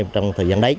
trong thời gian đấy